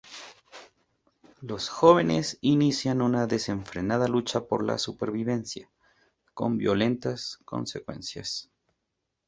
Los jóvenes inician una desenfrenada lucha por la supervivencia, con violentas consecuencias.